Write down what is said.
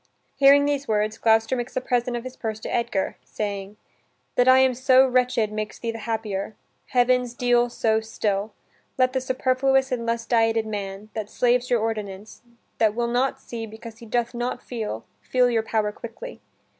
Hearing these words, Gloucester makes a present of his purse to Edgar, saying: "That I am so wretched Makes thee the happier; heavens, deal so still, Let the superfluous and lust dieted man, That slaves your ordinance, that will not see Because he doth not feel, feel your power quickly.